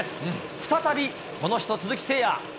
再びこの人、鈴木誠也。